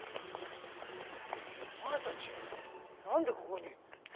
お前たち何でここに？